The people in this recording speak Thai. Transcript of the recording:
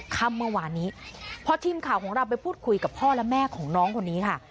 ค่ำเมื่อวานนี้พอทีมข่าวของเราไปพูดคุยกับพ่อและแม่ของน้องคนนี้ค่ะ